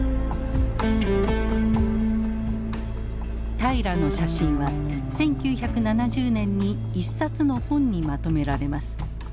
平良の写真は１９７０年に一冊の本にまとめられます。